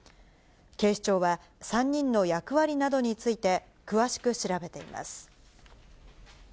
警視庁は、３人の役割などについて、詳しく調べています。